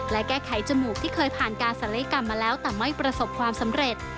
และแก้ไขจมูกที่เคยผ่านการศัลยกรรมมาแล้วแต่ไม่ประสบความสำเร็จ